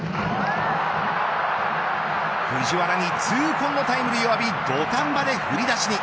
藤原に痛恨のタイムリーを浴び土壇場で振り出しに。